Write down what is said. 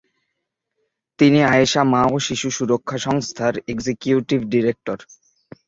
তিনি আয়েশা মা ও শিশু সুরক্ষা সংস্থার এক্সিকিউটিভ ডিরেক্টর।